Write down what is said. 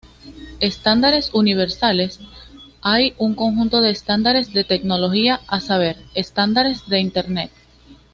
Estándares universales: hay un conjunto de estándares de tecnología, a saber, estándares de internet.